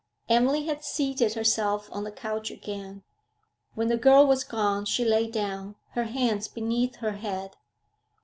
Emily had seated herself on the couch again; when the girl was gone she lay down, her hands beneath her head.